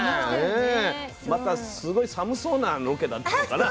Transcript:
またすごい寒そうなロケだったのかな？